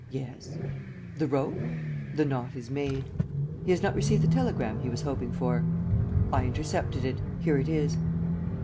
"Yes." "The rope?" "The knot is made." "He has not received the telegram he was hoping for?" "I intercepted it: here it is."